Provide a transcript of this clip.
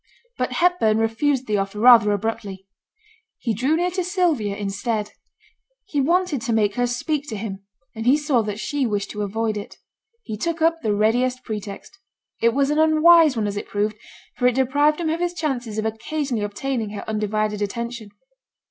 But Hepburn refused the offer rather abruptly. He drew near to Sylvia instead. He wanted to make her speak to him, and he saw that she wished to avoid it. He took up the readiest pretext. It was an unwise one as it proved, for it deprived him of his chances of occasionally obtaining her undivided attention.